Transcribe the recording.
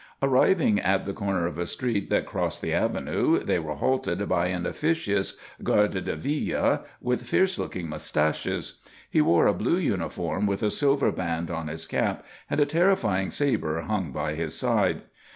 Arriving at the corner of a street that crossed the avenue, they were halted by an officious Garde de Ville with fierce looking moustaches. He wore a blue uniform with a silver band on his cap, and a terrifying sabre hung by his side.